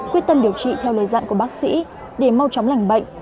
quyết tâm điều trị theo lời dặn của bác sĩ để mau chóng lành bệnh